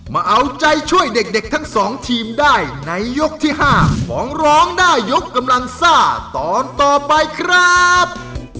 มาเอาใจช่วยเด็กทั้งสองทีมได้ในยกที่๕ของร้องได้ยกกำลังซ่าตอนต่อไปครับ